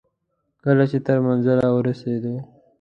کله چې تر منزل ورسېدو.